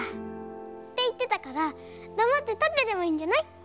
っていってたからだまってたってればいいんじゃない？